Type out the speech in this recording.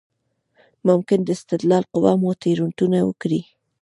ممکن د استدلال قوه مو تېروتنه وکړي.